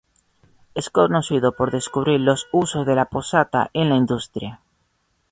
Es conocido por descubrir los usos de la potasa en la industria.